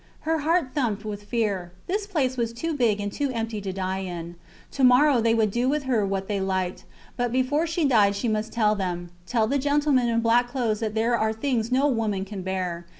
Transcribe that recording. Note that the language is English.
Her heart thumped with fear. This place was too big and too empty to die in. To morrow they would do with her what they liked. But before she died she must tell them tell the gentlemen in black clothes that there are things no woman can bear.